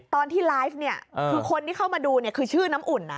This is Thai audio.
ตอนที่ไลฟ์เนี่ยคือคนที่เข้ามาดูเนี่ยคือชื่อน้ำอุ่นนะ